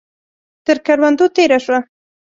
تر کروندو تېره شوه.